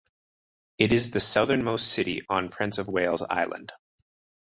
It is the southernmost city on Prince of Wales Island.